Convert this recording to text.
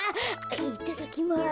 いただきます。